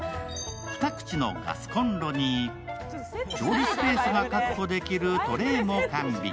２口のガスこんろに、調理スペースが確保できるトレーも完備。